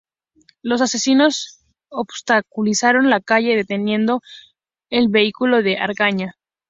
Los asesinos obstaculizaron la calle, deteniendo al vehículo de Argaña.